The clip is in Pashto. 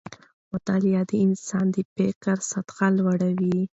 مطالعه د انسان د فکر سطحه لوړه وي